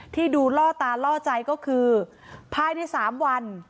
ที่ดูล่อตาล่อใจก็คือภายใน๓วัน